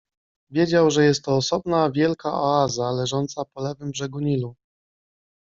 Wiedział, że jest to osobna, wielka oaza, leżąca po lewym brzegu Nilu.